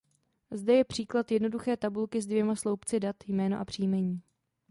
Zde je příklad jednoduché tabulky s dvěma sloupci dat Jméno a Příjmení.